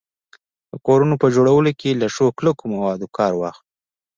د کورونو په جوړولو کي له ښو کلکو موادو کار واخلو